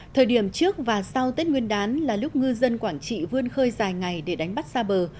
thời điểm trước và sau tết nguyên đán là lúc ngư dân quảng trị vươn khơi dài ngày để đánh bắt xa bờ